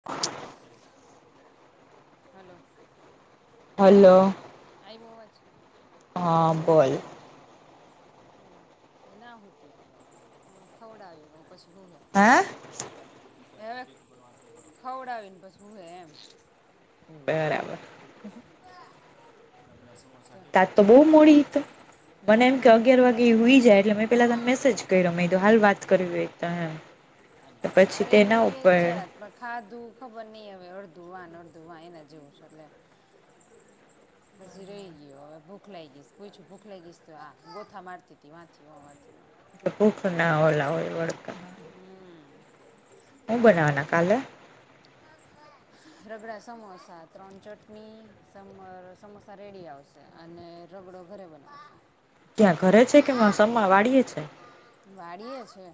[inaudible] [inaudible] Hello. આવ્યો અવાજ હ બોલ ના હોતી ખવડા આવી વાપસ ભૂગે હ [inaudible] હવે ખવડાવીને પછી હ એમ બરાબર. આપલા સમસા તાજ તો બહુ મોડી તો મને એમ કે અગિયાર વાગે એ હોઈ જાય એટલે મેં પેલા તમે મેસેજ કર્યો મેં તો હાલ વાત કરવી એકમ અરે એ હું એજત એટલે ખાધું ખબર નઈ હવે અડધુંવાને અડધોવા એને જેવું છે એટલે પછી રહી ગયો હવે ભૂખ લાગીશ પૂછું ભૂખ લાગીશ તો આ ગોથા મારતી હતી વાથી હો વાથી ભુખર ના હોલા હોય વળકા હમ [unintelligible] હું બનાવવાના કાલે? રગડા સમોસા, ત્રણ ચટણી સમ સમોસા રેડી આવશે. અને રગડો ઘરે બનાવવાનો ક્યાં ઘરે છે, કે સમા વાળીએે છે? વાડી છે.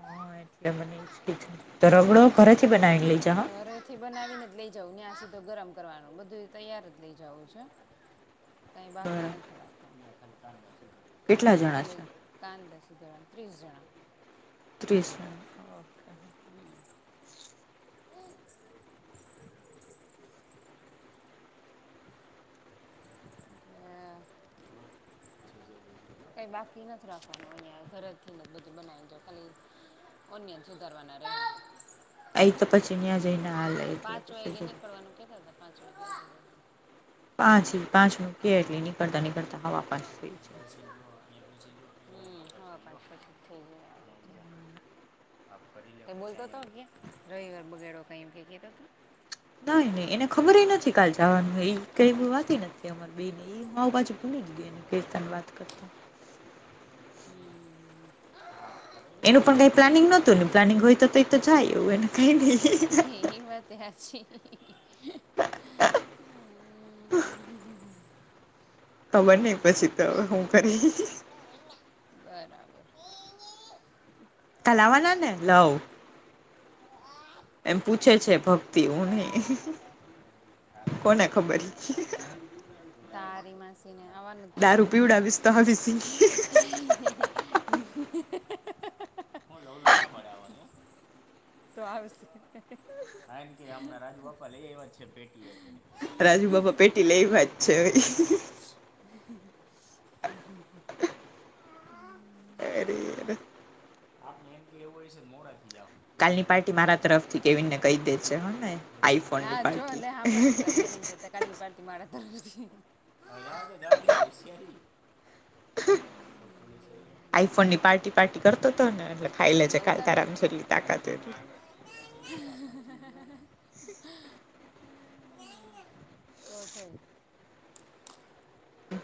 હા એટલે મનેગડો ઘરેથી બનાવી લઈ. જા હા ઘરેથી બનાવીને જ લઇ જવું યાં સીધો ગરમ કરવાનું બધું તૈયાર જ લઇ જવું છે. કંઈ બાકી બરાબર નથી થોડા કેટલા જણા ખાલી છે કાંદ સુધોરાણ ત્રીસ જણા ત્રીસ મ [inaudible] હ [unintelligible] કઈ બાકી નથી રાખવાનું ઘર ને બધું બનાવીજો ખાલી ઓનન સુધારવાના રહે હા ઈ તો પછી ન્યાં જઈને હાલ એટલે કરનું કેતાતા પાંચ વા [inaudible] પાંચ પાંચ મ કે એટલી ન કરતા ન કરતા હવા પાંચ હમ છે. બોલતો હતો ક્ય રવિવાર બગેડો ક કે કતોતો નઈ નહી એને ખબર નથી કાલ જવાનું એ કઈ વાત નથી અમાર બે ને એ માવ બાજુ તન વાત કરતોતા [inaudible] [unintelligible] હમ એનું પણ કઈ પ્લાનિંગ નોતુ પ્લાનિંગ હોય તો જાય એવું એને કંઈ નહી એ વાત હાચી છે. ખબર નહી પછી તો હવે હું કરે. બરાબર. કાલ આવવાના ને, લવ એમ પૂછે છે ભક્તિ હું નય કોને ખબર છે? તારી માસી ને આવવાનું જ છે દારૂ ને [unintelligible] હા હા હા ઓલો ના પાડે આવવાની તો આવશે, હા એને કે રાજુબાપા લયાયવા જ છે પેટી રાજુબાપા પેટી લયાયવા જ છે. હ હ [inaudible] એરેરે. આપને એવું હયશે તો મોડાકથી જાહું. કાલની પાર્ટી મારા તરફથી કેવીનને કહી દેજે હ ને. આઈફોનની હા જો પાર્ટી લે સાંભડ તાર બેન એમકે કાલની પાર્ટી મારા તરફથી જાવા દે જાવા દે હુશ્યારી તોકલી સળમાં [unintelligible] આઈફોન ની પાર્ટી પાર્ટી કરતો હતો ને એટલે ખાયલે જે કાલ તારામા જેટલી તાકાત એટલુ હ હ [unintelligible] તો થઈ હમ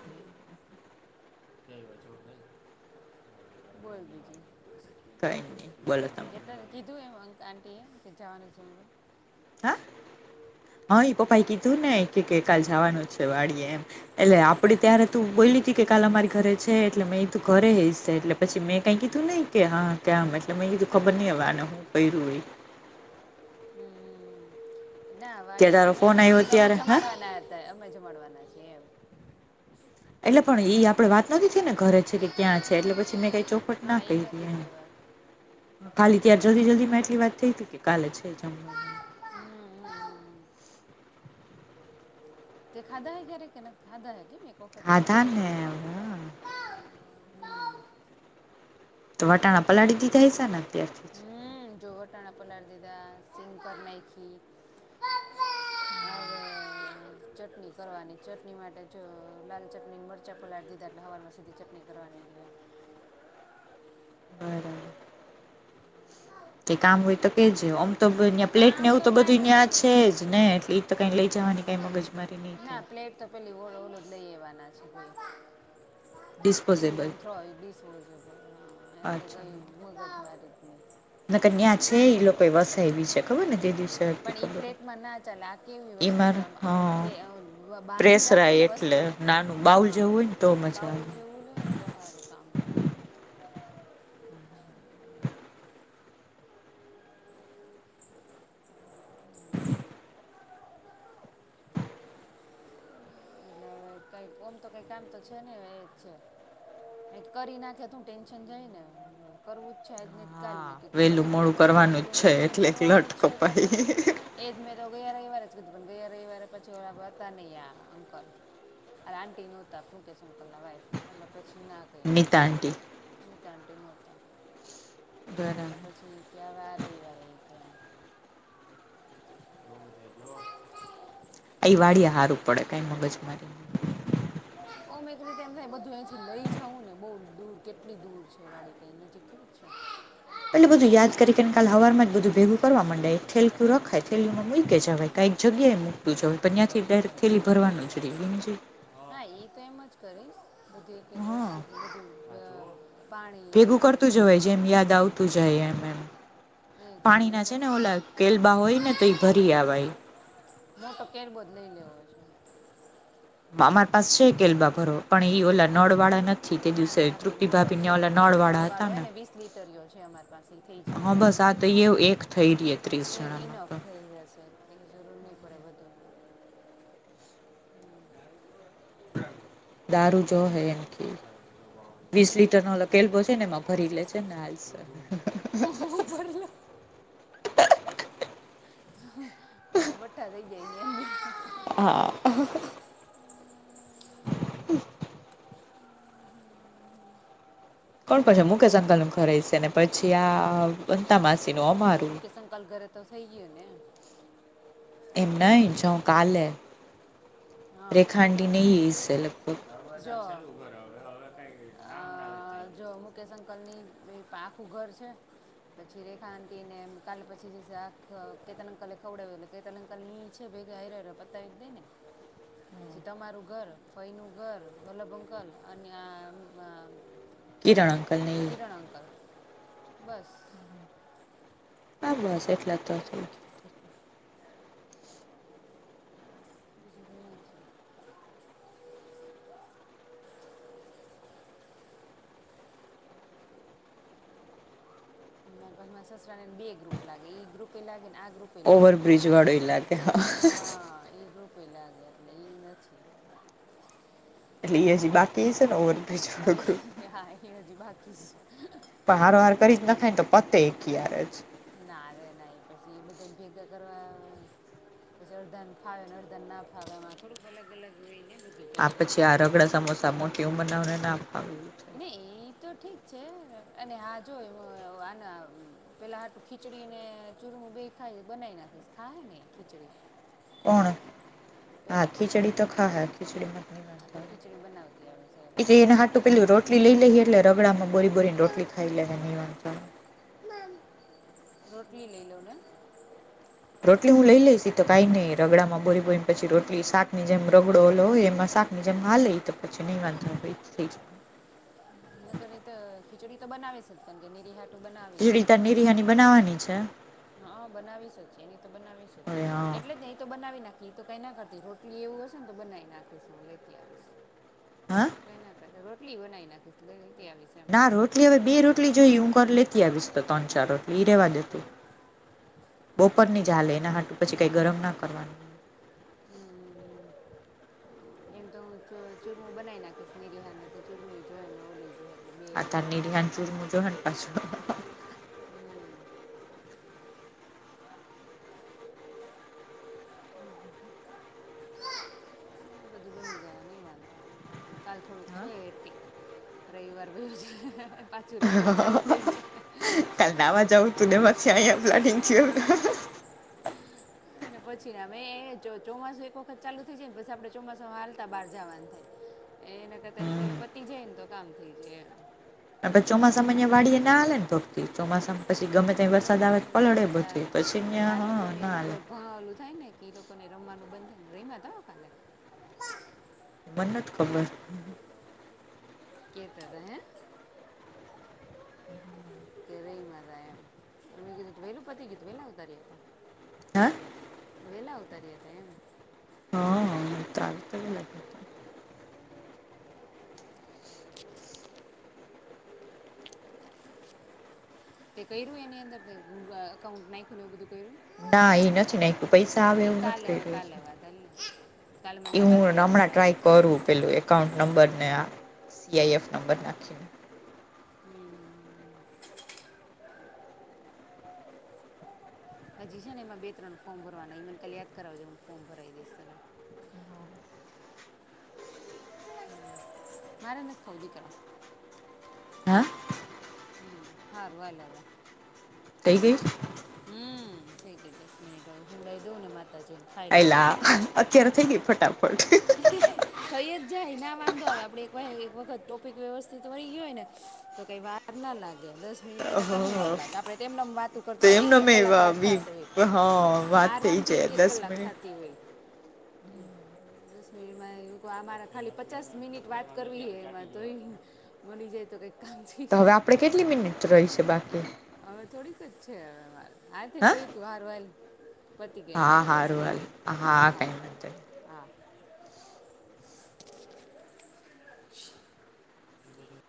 બોલ બીજુ કઈ નહી બોલો તમે [unintelligible] કીધું એવુ આંટીએ કે જવાનું જમવા હા હા એ પપા કીધું ને કે કાલ જવાનું છે વાડીએ એમ એટલે આપડે ત્યારે તું બોલી કે કાલે અમારી ઘરે છે એટલે મેં એ તું ઘરે હયશે એટલે પછી મેં કાઈ કીધું નહીં કે હા ત્યાં એટલે મેં કીધુ ખબર નહીં હવે આને શુ કરુ હોય હમ ના ત્યાં વાડી એટલે તારો મે એમ ફોન આવ્યો કીધું અમે ત્યારે હા જમાડવાના હતા અમે જમાડવાના છીએ એમ એટલે પણ એઈ આપડે વાત નથી થઈ ને ઘરે છે કે ક્યાં છે એટલે પછી મેં કઈ ચોખવટ હા ના એ કરી નથી એમ [inaudible] ખાલી ત્યાં જલ્દી જલ્દી એટલી વાત થઈ હતી કે કાલે છે જમવાનુ હમ, હમ. તે ખાધા હે ક્યારેય કે ખાધા હે કેમ એક વખત તો ખાધા ખાધાને હે તો વટાણા પલાળી દીધા હસે ને અત્યારથી હમ જો વટાણા પલાડી દીધા સિંગ કરી નાખી હવે ચટણી કરવાની ચટણી માટે જો લાલ ચટણી મર ચાઃ પલાડી દીધા એટલે હવારમાં સીધી ચટણી કરવાની. બરાબર. કે કામ હોય તો કે જે. તો પ્લેટ કામ ને એવું તો બધુય કાંઈ ન્યા છે જ નથી ને એટલે એ તો કઈ લઈ જવાની કઈ મગજ મારી નહી ના થાય. પ્લેટ તો પેલી વળ ઓ જ લઈ એવાના છે ભઈ [unintelligible] use disposable and throw disposable એટલે કઈ મગજ મારી જ નય. નેકર ન્યા છે એ લોકો વસાયવી છે ખબર ને તે દિવસે હતી પણ ઈ ખબર. પ્લેટમાં ના ચાલે આ કેવી વસ્તુ ઈમાર કેમ હ આમ બાંધી રાખે પ્રેસરાય ને એટલે વસ્તુ નાનું બાઉલ હા જેવું હોય ને તો મજા બાઉલ આવે. જેવું હોઈને તો હારું કામ પડે એમ [unintelligible] એટલે કંઈક ઓમ તો કંઈ કામ તો છે નય એ જ છે. કરી નાખે તું ટેન્શન જાય ને કરવું જ છે. કાલ મેં હા કીધુ તું વેલું કરી જ મોડું નાખો ને કરવાનું વેલું જ છે મોડુ એટલે કરવાનું લટ જ છે તો કપાય. પછી એ મે તો ગયા રવિવારે જ કીધું પણ ગયા રવિવારે પછી હતા નય આ અંકલ અને આંન્ટી નહોતા મુકેશ અંકલના વાઇફ એટલે પછીના નિતાંટી નીતઆંટીટી નતા બરાબર એટલે પછી એટલે પછી આ રવિવારે ઈ કે એમ આ વાડીયે જ હારું પડે કઈ મગજ મારી નય. હ [unintelligible] ઓમ એક રીતે એમ થાય બધું અહિંથી લઈ જાવું ને બહુ દૂર કેટલી દૂર છે વાડી કઈ નજીક થોડી છે? એટલે બધું યાદ તને કાલ હવારમાં જ બધું ભેગું કરવા માંડાય રિમોટ લાવ થેલયું મને રખાય થેલયુંમાં મૂકી જવાય જલ્દી લાવ કઈક જગ્યાએ મૂ પણ મેં તો બંધ ત્યાંથી દરેક થેલી ભરવાનું જ રે. ના એ તો એમ જ કરાય બધી એક એક હા વસ્તુ બધું પાણી ભેગું ને કરતું બધું જવાય જેમ યાદ આવત જાય એમ એમ એ જે એમ પાણીના જ છે ને કરીશ ઓલા કેલબા હોય ને તો એ ભરી આવાય હ તો કેરબો જ નઈ લેવો છ. અ અમાર પાસે છે કેલબા ભરો પણ ઈ તો ઓલા બધા અંદર વહી નળવાળા નથી ગયા તે છો. ના દિવસે ના ભાઈ તૃપ્તિ ભાભી ને ન્યા ઓલા નળવાળા હતા ને કરીઓ છે અમારી પાસે થઈ હા જાય. બસ આ તો એ એક થઈ રહી ત્રીસ એક જણામાં ઈનફ તો થઈ જાશે. એની જરૂર નહીં પડે વધુ દારૂ જોહે એને કઈ થાય બધું વાવ વીસ એવું. હમ? લીટરનો ઓલો કેલબો છે ને એમાં ભરી લે જે ને જો હાલસે. ધૂમ અતો બઠ્ઠા થઈ જઈએ. હા હમ કોણ પછે મુકેશ અંકલનું ઘર હશે ને પછી આ વનતા માસીનું અમારું કલ ઘરે તો થઈ ગયું ને? એમ નહીં જઉં કાલે હા રેખા આંટીને ઈ એ હસે લગભગ. જો [inaudible] અ જો મુકેશ અંકલની તો આખું ઘર છે? પછી રેખા આંટીને કાલ પછીનું શાખ કેતન અંકલે ખવડાવ્યું એટલે કેતન અંકલને ઈ એ છે ભેગા હાઈરે હારે પતાવી જ દઈને પછી તમારું ઘર. ફઈનું ઘર, વલ્લભ અંકલ અને આમ આમ કિરણ અંકલ ને ઈ કિરણ અંકલ બસ બસ બસ એટલા જ તો થઈ ગયા. [inaudible] [inaudible] અમારા ઘરમાં સસરાને ને બે ગ્રુપ લાગે ઈ ગ્રુપ એ લાગેને આ ગ્રુપ પે ગયા લાગે ઓવરબ્રિજ વાળો ઈ લાગે હા હહ ઈ ગ્રુપે લાગે એટલે ઈ નથી. એટલે ઈ હજી બાકી હશે ને ઓ હવે હા ઈ હજી બાકી છે. તો હારોહાર કરી જ નખાય ને તો પતે એકી હારે જ. ના રે ના ઈ પછી ઈ બધાને ભેગા કરવા. પછી અડધાને ફાવે ને અડધાને ના ફાવે આમાં થોડુંક અલગ અલગ હોય હે ને? બધું આ પછી પાછું આ રગડા સમોસા મોટી ઉંમરના ઓને ના ફાવે. થાય. નઈ ઈ તો ઠીક છે અને હા જોવ આના પેલા હાટું ખીચડીને ચૂરમું બે ખાય બનાઈ નાખીશ ખાય હે ને ખીચડી? કોણે? હા પેલો ખીચડી તો ખાહે ખીચડીમાં તો નહીં આ વાંધો ખીચડી બનાવતી સાહેબ આવે એટલે એના હાટ તો પેલી રોટલી લઈ લઈએ એટલે રગડામાં બોરી બોરીને રોટલી ખઈ લેહે નહિ વાંધો આવે. મમ રોટલી લઈ લઉં ને? રોટલી હું લઈ લઈશ ઈ તો કાંઈ નહી રગડામાં બોરી બોરીને પછી રોટલી શાકની જેમ રગડો ઓલો હોય એમાં શાક ની જેમ હાલે ઈ તો પછી નહીં વાંધો આવે ઈ જ થઈ જાય. નકર ઈ તો ખીચડી તો બનાવીશ જ કેમ કે નીરી હાટું બનાવી જ છે મારે. બીરયાની બનાવાની છે. હહ બનાવીશ જ એની તો બનાવીશ જ. હવે હા એટલે જ ને ઈ તો બનાવી નાખી ઈ તું કાંઈ ના કરતી રોટલી એવું હશે ને તો હું બનાઈ નાખીશ હું લેતી આવીશ. હા એના કરતાં રોટલી બનાવી નાખીશ લે લેતી આવીશ. એમ ના રોટલી હવે બે રોટલી જોઈએ હું ઘર લેતી આવીશ તો તન ચાર રોટલી ઈ રહેવા દે તું. બોપરની જ હાલે એના હાટું પછી કાંઈ ગરમ ના કરવાની હોય. હમ હમ એમ તો હું ચૂ ચુરમું બનાઈ નાખીશ નિરિહારને તો ચુરમું એ જોહે ને ઓલું એ જોહે. આ તાર નિરિહાને ચૂરમું જોહે ને પાછું હમ. એ બધું [inaudible] નહિ વાંધો આવે. કાલ થોડુંક છે એટીક રવિવાર વયો જાહે પાછ સું રૂટિન ચાલુ થ તનેમાં આહીંયા પ્લાનિંગ થયું. [inaudible] પછી ના મે ચોમાસું એક વખત ચાલુ થઇ જાય ને પસ આપડે ચોમાસુંમાં હાલતા બહાર જવાનું થાય. એ એના કરતા એને હમ પેલા પતિ જાય ને તો કામ થઈ જાય. ચોમાસામાં અં વાડી ના હલે તો. ચોમાસામાં પછી ગમે ત્યા વરસાદ આવે ચોમાસે પલળે વરસાદ બધી પછી અ્યાં હ નાલે. ઘણા ઓલું થાય ને કે એ લોકોને રમવાનું બંધ થાય ને રહીમાં ત ખાલે. મને નથી ખબર. કેતા હતા હે. કે રહી મા એમ એ કીધું વહેલું પતી ગી તું વહેલા ઉતારી હતા. હા. વેલા આવતા રહ્યા હતા એમ હ તાર તો તે કયરુ એની અંદરું કાય એકાઉન્ટ નાયખું ને એવુ બધું કયરુ? ના એ નથી નાખ્યું પૈસા આવે એવું કાલે નથી ક રહ્યું છે. [unintelligible] એ હું યાદ હમણાં ટ્રાય કરાવજો કરું પેલું એકાઉન્ટ નંબર ને આ સીઆઈએફ નંબર નાખીને. હમ. હછજી છે ને એમાં બે ત્રણ ફોર્મ ભરવાના ઈમન કાલે યાદ કરાવજે હું ફોર્મ ભરાવી દઈશ ત મારે નથી ખાવુ દિકા. હ. હમ હારું હાલ હવે. કઈ ગઈ. હમ થઈ કે દસ મિનિટ હવે હુવડાવી દઉં ને મારે એલા અત્યારે થઈ ગય ફટાફટ. થઈ જ જાય ના વાંધો આવે આપણે એક એક વખત ટોપિક વ્યવસ્થિત વય ગયો હોય ને. તો કઈ વાર ના લાગે બસ. મિનિટ થતા હું વા લાગ આપડે તેમને વાત તો કરતા હોય એક એમનો એક મેં કલાક વાતતાય હા વાત થઈ આરામથી જાય એક. એક દસ કલાક મિનિટ થતી હોય. દસ મિનિટમાં એવું અમારે ખાલી પચાસ મિનિટ વાત કરવી એમાં તો. મની જાય તો ક તો હવે આપણે કેટલી મિનિટ રહી છે બાકી. હવે થોડીક જ છે હવે મારે આ થને હ પ તું હારવાલ. પતી ગયા એમાં હા તો દસ હારું થઇ હાલ ગઈ હા કઈ હારો. વાંધો નહી હા. [unintelligible]